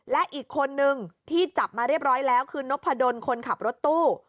และอีกคนนึงที่จับมาเรียบร้อยแล้วคือนพดลคนขับรถตู้